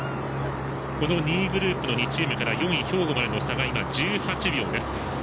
２位グループの２チームから４位、兵庫までの差が今１８秒です。